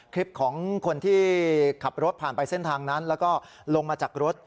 คลิปของคนที่ขับรถผ่านไปเส้นทางนั้นแล้วก็ลงมาจากรถ